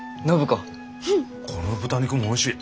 この豚肉もおいしい。